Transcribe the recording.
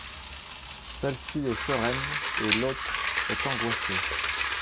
Celle-ci est sereine et l’autre est angoissé.